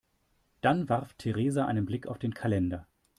Dann warf Theresa einen Blick auf den Kalender.